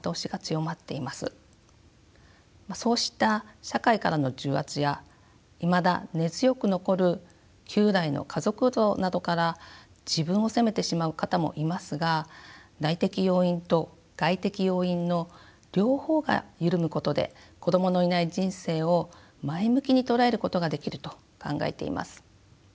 そうした社会からの重圧やいまだ根強く残る旧来の家族像などから自分を責めてしまう方もいますが内的要因と外的要因の両方が緩むことで子どものいない人生を前向きに捉えることができると考えています。